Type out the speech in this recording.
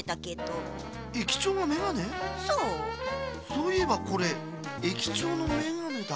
そういえばこれえきちょうのメガネだ。